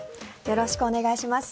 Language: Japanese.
よろしくお願いします。